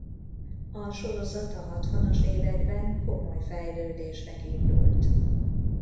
A sorozat a hatvanas években komoly fejlődésnek indult.